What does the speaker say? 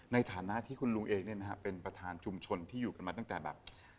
ในฐานะที่คุณลุงเองเนี่ยนะฮะเป็นประธานชุมชนที่อยู่กันมาตั้งแต่แบบ